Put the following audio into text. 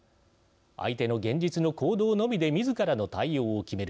相手の現実の行動のみでみずからの対応を決める。